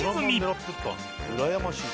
うらやましい。